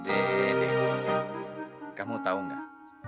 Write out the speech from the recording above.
dede kamu tahu gak